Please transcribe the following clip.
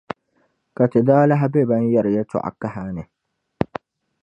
Ka ti daa lahi be ban yɛri yɛltɔɣa kaha ni.”